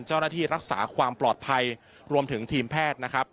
เจ้าหน้าที่รักษาความปลอดภัยรวมถึงทีมแพทย์นะครับ